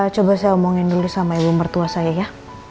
coba saya omongin dulu sama ibu mertua saya ya